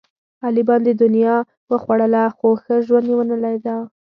علي باندې دنیا وخوړله، خو ښه ژوند یې ونه لیدا.